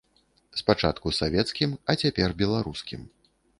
Спачатку савецкім, а цяпер беларускім.